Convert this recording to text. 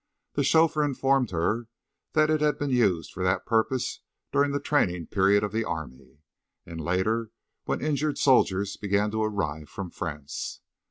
The chauffeur informed her that it had been used for that purpose during the training period of the army, and later when injured soldiers began to arrive from France.